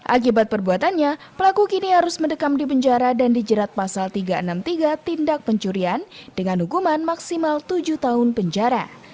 akibat perbuatannya pelaku kini harus mendekam di penjara dan dijerat pasal tiga ratus enam puluh tiga tindak pencurian dengan hukuman maksimal tujuh tahun penjara